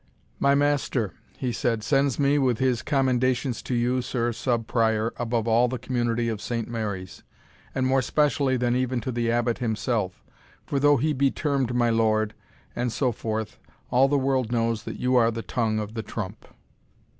"My master," he said, "sends me with his commendations to you, Sir Sub Prior, above all the community of Saint Mary's, and more specially than even to the Abbot himself; for though he be termed my lord, and so forth, all the world knows that you are the tongue of the trump."